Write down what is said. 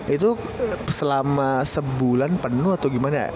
itu selama sebulan penuh atau gimana